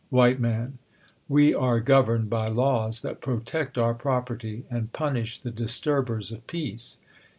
IV, Man, We are governed by laws that protect eur property, and punish the disturbers of peace.